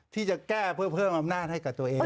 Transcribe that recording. ที่จะแก้เพื่อเพิ่มอำนาจให้กับตัวเอง